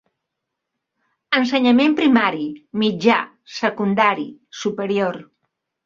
Ensenyament primari, mitjà, secundari, superior.